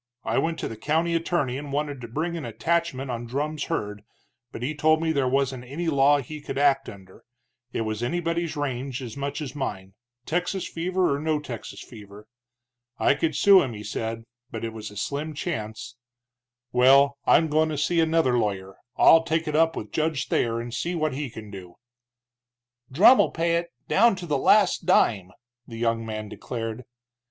I went to the county attorney and wanted to bring an attachment on Drumm's herd, but he told me there wasn't any law he could act under, it was anybody's range as much as mine, Texas fever or no Texas fever. I could sue him, he said, but it was a slim chance. Well, I'm goin' to see another lawyer I'll take it up with Judge Thayer, and see what he can do." "Drumm'll pay it, down to the last dime!" the young man declared.